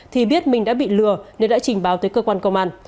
thì biết mình đã bị lừa nên đã trình báo tới cơ quan công an